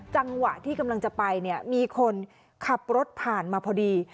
จังหวะที่กำลังจะไปเนี่ยมีคนขับรถผ่านมาพอดี